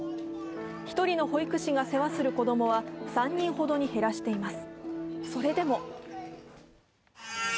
１人の保育士が世話する保育士は３人ほどに減らしています。